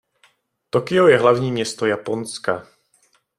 Tokio je hlavní město Japonska.